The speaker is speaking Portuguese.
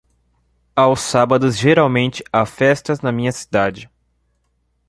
Aos sábados geralmente há festas na minha cidade.